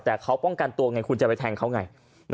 แต่เขาป้องกันตัวไงคุณจะไปแทงเขาไง